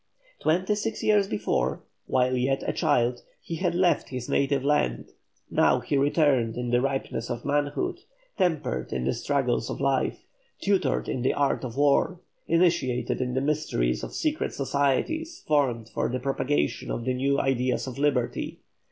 Twenty six years before, while yet a child, he had left his native land; now he returned in the ripeness of manhood, tempered in the struggles of life, tutored in the art of war, initiated in the mysteries of secret societies formed for the propagation of the new ideas of liberty.